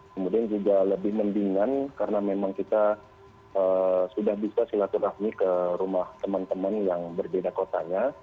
kemudian juga lebih mendingan karena memang kita sudah bisa silaturahmi ke rumah teman teman yang berbeda kotanya